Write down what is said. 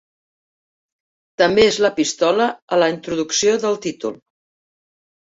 També és la pistola a la introducció del títol.